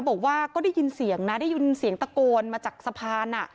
บอกว่าก็ได้ยินเสียงนะได้ยินเสียงตะโกนมาจากสะพาน